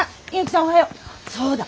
そうだ。